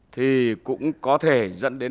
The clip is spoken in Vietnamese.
thì cũng có thể